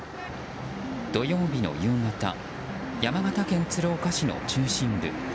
土曜日の夕方山形県鶴岡市の中心部。